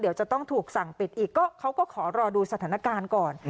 เดี๋ยวจะต้องถูกสั่งปิดอีกก็เขาก็ขอรอดูสถานการณ์ก่อน